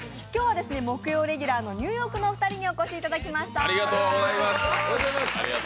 今日は木曜レギュラーのニューヨークのお二人にお越しいただきました。